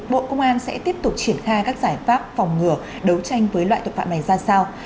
bộ công an sẽ tiếp tục triển khai các giải pháp phòng ngừa đấu tranh với loại tội phạm này ra sao